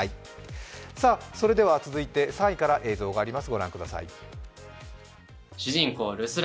続いて３位から映像があります。